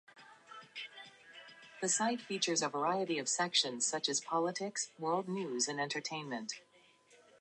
Only clergy and laity, not bishops, may serve as Prolocutor.